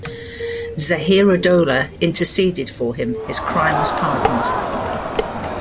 Zahiroddoleh interceded for him, his crime was pardoned.